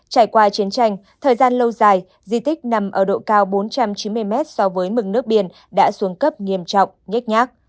trải qua chiến tranh thời gian lâu dài di tích nằm ở độ cao bốn trăm chín mươi mét so với mực nước biển đã xuống cấp nghiêm trọng nhách nhác